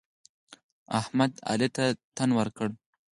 احمد؛ علي ته تن ورکړ.